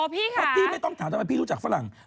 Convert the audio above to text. เพราะพี่ไม่ต้องถามทำไมพี่รู้จักฝรั่ง